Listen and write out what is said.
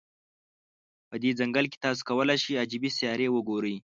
په دې ځنګل کې، تاسو کولای شی عجيبې سیارې وګوری.